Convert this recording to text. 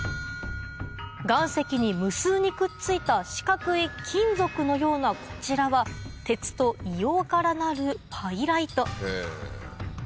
岩石に無数にくっついた四角い金属のようなこちらは鉄と硫黄からなるパイライト